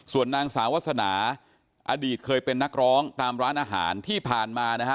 ส่วนนางสาววาสนาอดีตเคยเป็นนักร้องตามร้านอาหารที่ผ่านมานะฮะ